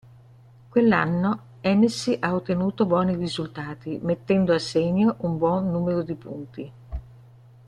Quell'anno Hennessy ha ottenuto buoni risultati mettendo assegno un buon numero di punti.